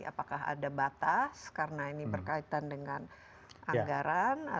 apakah ada batas karena ini berkaitan dengan anggaran